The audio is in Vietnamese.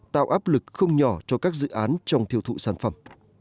tạo áp lực không nhỏ cho các dự án trong tiêu thụ sản phẩm